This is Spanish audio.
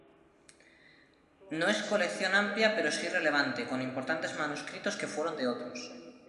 No es colección amplia pero sí relevante, con importantes manuscritos que fueron de otros.